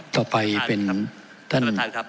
ต่อไปเป็นท่าน